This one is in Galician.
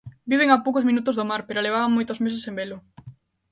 Viven a poucos minutos do mar, pero levaban moitos meses sen velo.